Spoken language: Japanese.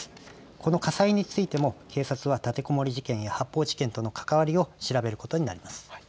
この火災についても警察は立てこもり事件や発砲事件との関わりを調べることになります。